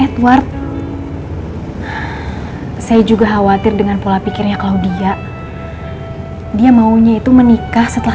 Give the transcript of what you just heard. edward saya juga khawatir dengan pola pikirnya kalau dia dia maunya itu menikah setelah